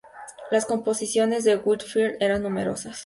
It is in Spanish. Las composiciones de Whitfield eran numerosas.